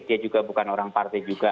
dia juga bukan orang partai juga